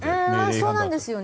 そうなんですよね。